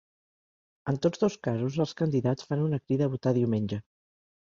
En tots dos casos, els candidats fan una crida a votar diumenge.